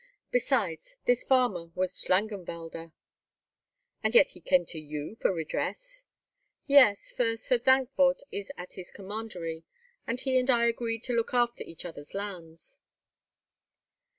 Besides, this farmer was Schlangenwalder." "And yet he came to you for redress?" "Yes, for Sir Dankwart is at his commandery, and he and I agreed to look after each other's lands."